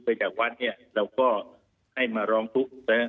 ไปจากวัดเราก็ให้มาร้องทุกข์